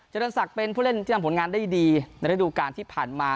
เรือนศักดิ์เป็นผู้เล่นที่ทำผลงานได้ดีในฤดูการที่ผ่านมา